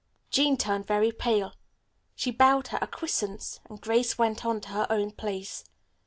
Jean turned very pale. She bowed her acquiescence, and Grace went on to her own place.